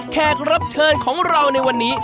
แขกรับเชิญของเราในวันนี้